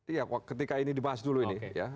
iya ketika ini dibahas dulu ini ya